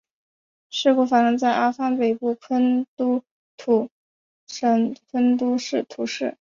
事件发生在阿富汗北部昆都士省昆都士市。